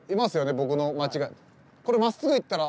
僕の間違い。